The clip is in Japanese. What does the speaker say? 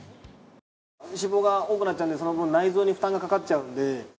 脂肪が多くなるとその分、内臓に負担がかかッちゃうんで。